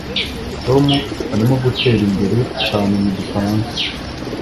Tom arimo gutera imbere cyane mu gifaransa